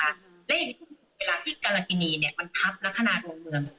แล้วอย่างนี้เวลาที่กรกินีเนี่ยมันทับลักษณะดวงเมือง